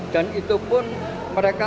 dan itu pun mereka